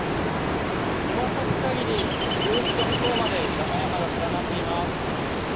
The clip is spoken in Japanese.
見渡すかぎりずっと向こうまで山々が連なっています。